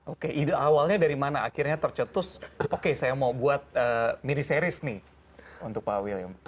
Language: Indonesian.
oke ide awalnya dari mana akhirnya tercetus oke saya mau buat mini series nih untuk pak william